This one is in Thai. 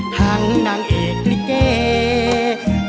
ทั้งนางเอกริเกต